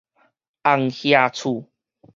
紅瓦厝